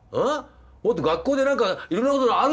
もっと学校で何かいろんな事あるだろ。